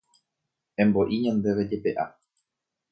Embo'i ñandéve jepe'a.